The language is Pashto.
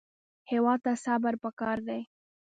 هېواد ته صبر پکار دی